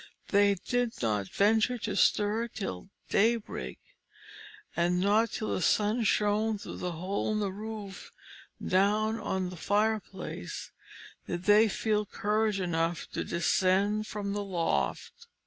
They did not venture to stir till daybreak, and not till the sun shone through the hole in the roof down on the fireplace did they feel courage enough to descend from the loft.